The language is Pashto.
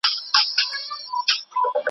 څېړونکی باید په خپل مسلک کې ریښتونی وي.